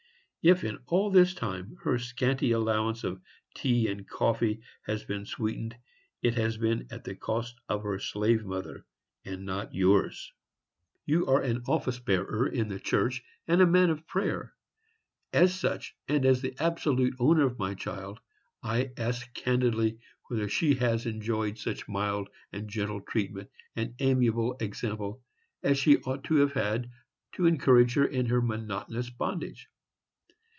If in all this time her scanty allowance of tea and coffee has been sweetened, it has been at the cost of her slave mother, and not at yours. You are an office bearer in the church, and a man of prayer. As such, and as the absolute owner of my child, I ask candidly whether she has enjoyed such mild and gentle treatment, and amiable example, as she ought to have had, to encourage her in her monotonous bondage?